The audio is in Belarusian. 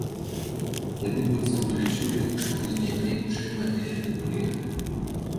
Яны быццам бы лічылі, што мы з нейкай іншай мэтай сюды прыехалі.